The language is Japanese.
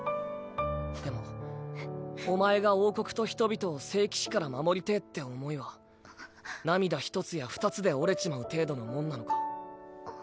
でもお前が王国と人々を聖騎士から守りてぇって思いは涙１つや２つで折れちまう程度のもんなのか？